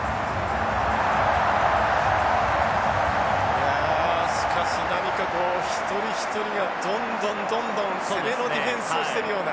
いやしかし何かこう一人一人がどんどんどんどん攻めのディフェンスをしてるような。